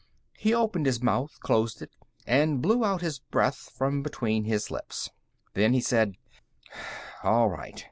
He opened his mouth, closed it, and blew out his breath from between his lips. Then he said: "All right.